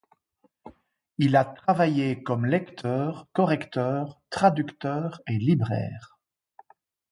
Il a travaillé comme lecteur, correcteur, traducteur et libraire.